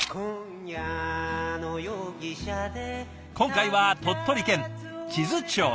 今回は鳥取県智頭町へ。